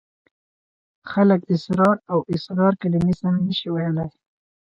خلک اسرار او اصرار کلمې سمې نشي ویلای.